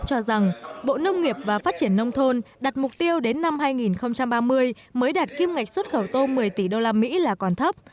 nguyễn xuân phúc cho rằng bộ nông nghiệp và phát triển nông thôn đặt mục tiêu đến năm hai nghìn ba mươi mới đạt kiêm ngạch xuất khẩu tôm một mươi tỷ đô la mỹ là còn thấp